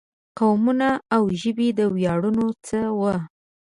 قومونه او ژبې د ویاړونو څه وو.